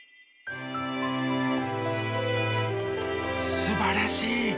すばらしい。